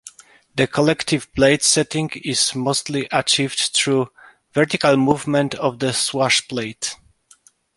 The collective blade setting is mostly achieved through vertical movement of the swashplate.